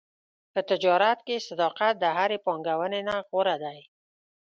په تجارت کې صداقت د هرې پانګونې نه غوره دی.